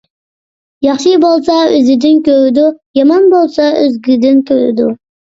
ياخشى بولسا ئۆزىدىن كۆرىدۇ، يامان بولسا ئۆزگىدىن كۆرىدۇ.